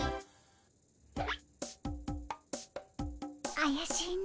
あやしいね。